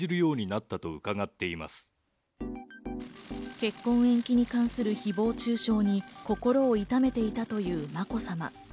結婚延期に関する誹謗中傷に心を痛めていたというまこさま。